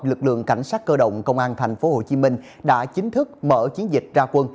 lực lượng cảnh sát cơ động công an tp hcm đã chính thức mở chiến dịch ra quân